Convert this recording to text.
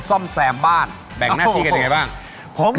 โชคความแม่นแทนนุ่มในศึกที่๒กันแล้วล่ะครับ